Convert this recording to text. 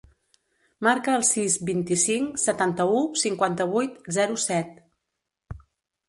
Marca el sis, vint-i-cinc, setanta-u, cinquanta-vuit, zero, set.